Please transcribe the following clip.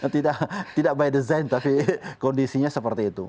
tidak by design tapi kondisinya seperti itu